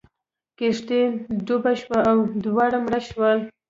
کښتۍ ډوبه شوه او دواړه مړه شول.